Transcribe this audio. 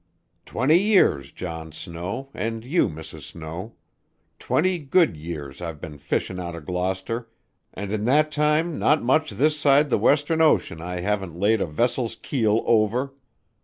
"Twenty years, John Snow, and you, Mrs. Snow twenty good years I've been fishing out o' Gloucester, and in that time not much this side the western ocean I haven't laid a vessel's keel over.